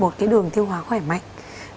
một cái đường tiêu hóa khỏe mạnh